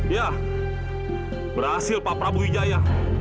ya berhasil pak prabu wijaya